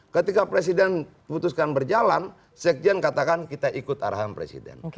ketika presiden putuskan berjalan sekjen katakan kita ikut arahan presiden